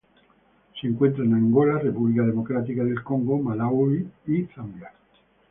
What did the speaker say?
Se encuentra en Angola, República Democrática del Congo, Malaui y Zambia.